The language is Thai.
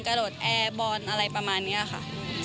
กระโดดแอร์บอลอะไรประมาณนี้ค่ะ